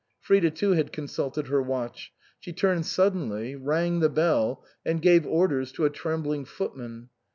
Frida too had consulted her watch ; she turned suddenly, rang the bell, and gave orders to a trembling footman.